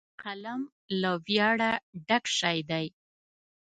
قلم له ویاړه ډک شی دی